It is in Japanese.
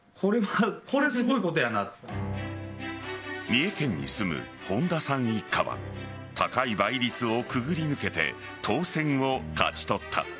三重県に住む本田さん一家は高い倍率をくぐり抜けて当選を勝ち取った。